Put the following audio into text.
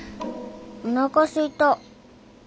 おなかすいた。